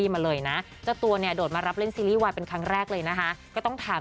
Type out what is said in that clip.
มาเลยนะเจ้าตัวเนี่ยโดดมารับเล่นซีรีส์วายเป็นครั้งแรกเลยนะคะก็ต้องถาม